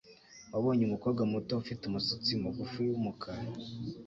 Wabonye umukobwa muto ufite umusatsi mugufi wumukara?